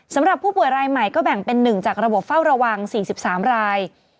สำหรับผู้ป่วยรายใหม่ก็แบ่งเป็น๑จากระบบเฝ้าระวัง๔๓ราย